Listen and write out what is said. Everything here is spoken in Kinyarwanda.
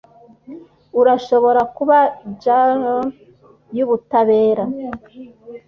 Urashobora kuba juggernaut yubutabera